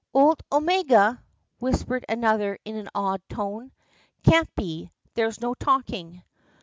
"Old Omega!" whispered another in an awed tone. "Can't be; there's no talking."